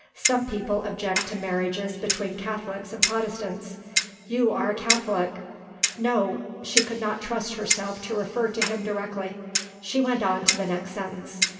Some people object to marriages between Catholics and Protestants. You are a Catholic " No! She could not trust herself to refer to him directly; she went on to the next sentence.